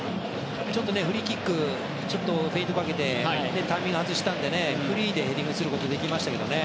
ちょっとフリーキックフェイントかけてタイミング外したのでフリーでヘディングすることできましたけどね。